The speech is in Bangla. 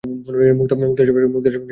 মোক্তার সাহেবের সঙ্গে মাঝেমধ্যে দেখা হয়।